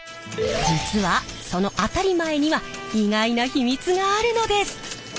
実はその当たり前には意外な秘密があるのです！